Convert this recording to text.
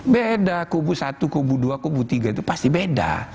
beda kubu satu kubu dua kubu tiga itu pasti beda